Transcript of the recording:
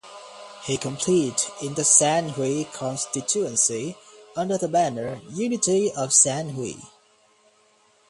He competed in the San Hui constituency under the banner "Unity of San Hui".